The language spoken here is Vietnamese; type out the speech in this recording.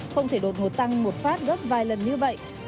không thể đột ngột tăng một phát gấp vài lần như vậy